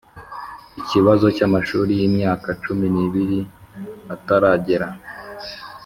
ikibazo cy amashuri y imyaka cumi n ibiri ataragera